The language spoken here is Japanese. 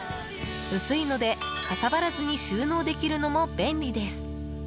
薄いのでかさばらずに収納できるのも便利です。